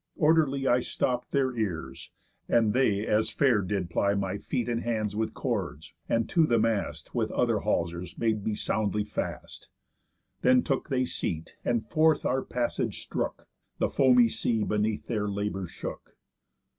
Orderly I stopp'd their ears; and they as fair did ply My feet and hands with cords, and to the mast With other halsers made me soundly fast. Then took they seat, and forth our passage strook, The foamy sea beneath their labour shook.